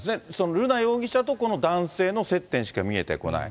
瑠奈容疑者とこの男性の接点しか見えてこない。